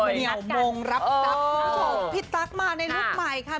มคเหนียวหมงรับตั๊บถูกต่างพี่ตั๊กมาในลุคใหม่ค่ะ